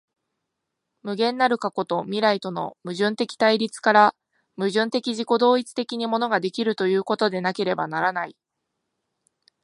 無限なる過去と未来との矛盾的対立から、矛盾的自己同一的に物が出来るということでなければならない。